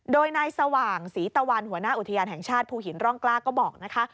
โดยนายสว่างศรีตะวันหัวหน้าอุทยานแห่งชาติภูหินร่องกล้าก็บอกนะคะ